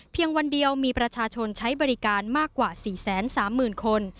เพียงวันเดียวมีประชาชนใช้บริการมากกว่า๔๓๐๐๐คน